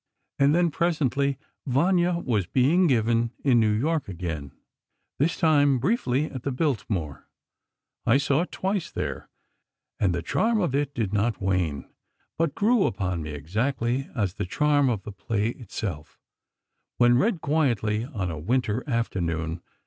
And then, presently, "Vanya" was being given in New York again, this time briefly, at the Biltmore. I saw it twice, there, and the charm of it did not wane, but grew upon me exactly as the charm of the play itself, when read quietly on a winter afternoon.